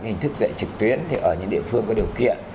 hình thức dạy trực tuyến thì ở những địa phương có điều kiện